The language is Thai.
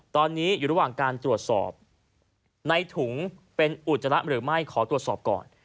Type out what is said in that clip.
ตอนนี้อยู่ระหว่างการตรวจสอบในถุงเป็นอุจจาระหรือไม่ขอตรวจสอบก่อน